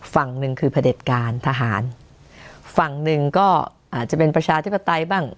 ฝั่งหนึ่งคือพระเด็จการทหารฝั่งหนึ่งก็อาจจะเป็นประชาธิปไตยบ้าง